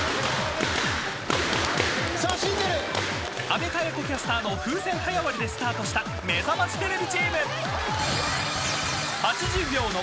［阿部華也子キャスターの風船早割りでスタートしためざましテレビチーム］